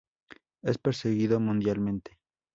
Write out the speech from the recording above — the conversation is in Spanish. Es perseguido mundialmente.